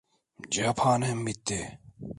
Cephanem bitti!